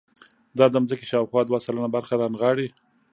دا د ځمکې شاوخوا دوه سلنه برخه رانغاړي.